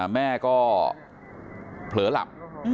แม่ก็เผลอหลับ